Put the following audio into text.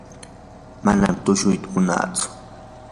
manam tushuyta munantsu.